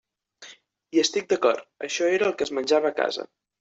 Hi estic d'acord: això era el que es menjava a casa.